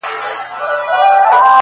پر وجود څه ډول حالت وو اروا څه ډول وه؛